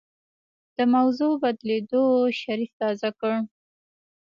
د موضوع بدلېدو شريف تازه کړ.